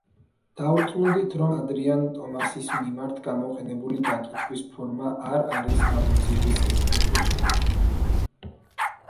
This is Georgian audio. დავრწმუნდით, რომ ადრიან ტომასის მიმართ გამოყენებული დაკითხვის ფორმა არ არის გამოძიების ერთ-ერთი ხერხი.